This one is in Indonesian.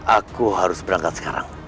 aku harus berangkat sekarang